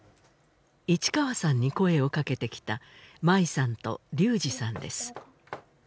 市川さんに声をかけてきた舞さんと龍志さんです